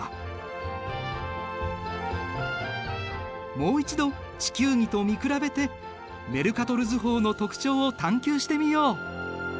もう一度地球儀と見比べてメルカトル図法の特徴を探究してみよう。